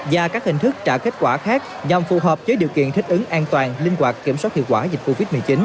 và các hình thức trả kết quả khác nhằm phù hợp với điều kiện thích ứng an toàn linh hoạt kiểm soát hiệu quả dịch covid một mươi chín